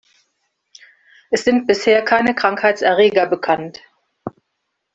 Es sind bisher keine Krankheitserreger bekannt.